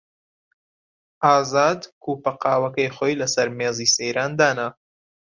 ئازاد کووپە قاوەکەی خۆی لەسەر مێزی سەیران دانا.